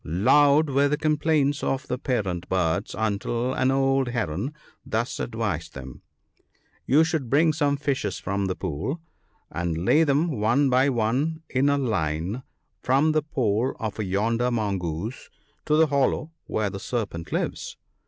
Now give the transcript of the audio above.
Loud were the complaints of the parent birds, until an old Heron thus advised them :—* You should bring some fishes from the pool, and lay them one by one in a line from the hole of yonder Mongoose to the hollow where the Serpent lives.